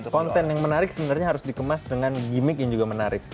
konten yang menarik sebenarnya harus dikemas dengan gimmick yang juga menarik